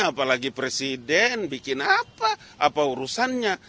apalagi presiden bikin apa apa urusannya